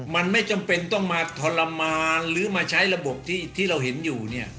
มันไม่จำเป็นต้องมาทรมานหรือมาใช้ระบบที่เราเห็นอยู่เนี่ย